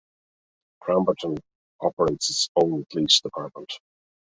Cramerton operates its own police department.